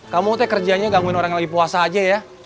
kamu tuh kerjanya gangguin orang yang lagi puasa aja ya